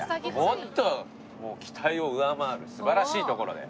もっと期待を上回る素晴らしい所で。